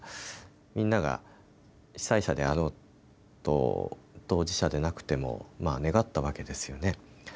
みんなが被災者であろうと当事者でなくても願ったわけですよね。